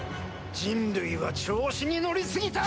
人類は調子にのりすぎた！